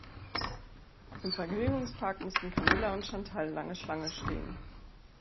Im Vergnügungspark mussten Camilla und Chantal lange Schlange stehen.